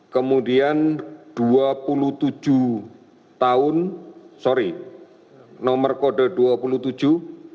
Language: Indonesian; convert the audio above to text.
kemudian dua puluh tujuh tahun sorry nomor kode dua puluh tujuh laki laki tiga puluh tujuh tahun